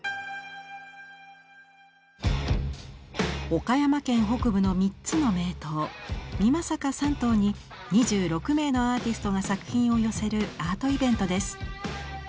岡山県北部の３つの名湯美作三湯に２６名のアーティストが作品を寄せるアートイベントです。